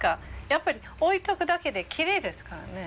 やっぱり置いとくだけできれいですからね。